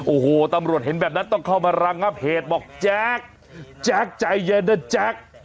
โอ้โหตำรวจเห็นแบบนั้นต้องเข้ามาระงับเหตุบอกแจ๊กแจ๊คใจเย็นนะแจ๊ค